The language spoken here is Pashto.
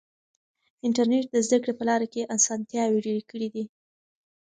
انټرنیټ د زده کړې په لاره کې اسانتیاوې ډېرې کړې دي.